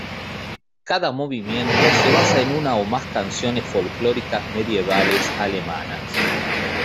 Cada movimiento se basa en una o más canciones folclóricas medievales alemanas.